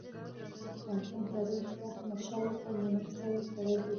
د افغانستان تاریخ د احمد شاه بابا د نوم سره تړلی دی.